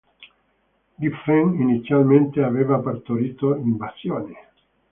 Giffen inizialmente aveva partorito "Invasione!